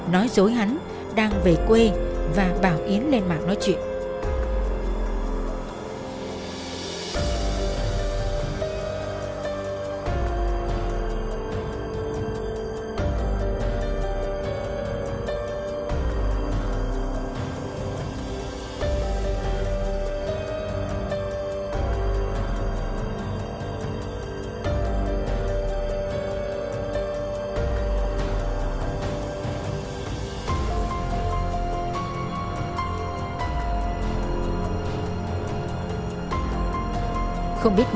nói dối hắn đang về quê và bảo yến lên mạng nói chuyện